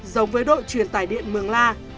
giống với đội truyền tải điện mường la